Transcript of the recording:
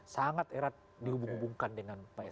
sangat erat dihubung hubungkan dengan pak sby selama ini gitu